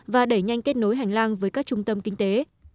và đẩy nhanh kết nối hành lang với các trung tâm kinh tế